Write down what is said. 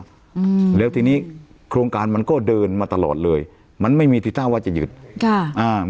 อืมแล้วทีนี้โครงการมันก็เดินมาตลอดเลยมันไม่มีทีท่าว่าจะหยุดค่ะอ่า